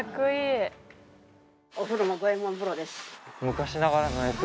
昔ながらのやつ？